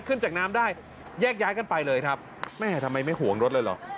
ขึ้นจากน้ำได้แยกย้ายกันไปเลยครับแม่ทำไมไม่ห่วงรถเลยเหรอ